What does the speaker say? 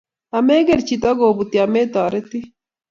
Ameker chito kobuti ametoritii